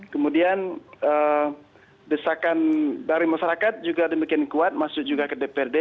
kemudian desakan dari masyarakat juga demikian kuat masuk juga ke dprd